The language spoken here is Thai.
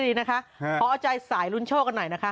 เพราะเอาใจศัยลุนโชคกันหน่อยนะคะ